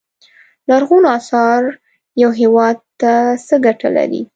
لرغونو اثار یو هیواد ته څه ګټه لري.